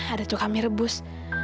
ada coklamnya rebus